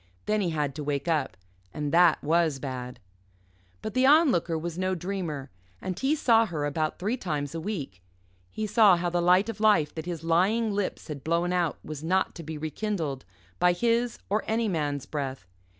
Then he had to wake up. And that was bad. But the Onlooker was no dreamer, and he saw her about three times a week. He saw how the light of life that his lying lips had blown out was not to be rekindled by his or any man's breath.